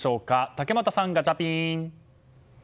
竹俣さん、ガチャピン。